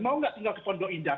mau nggak tinggal di pondok indah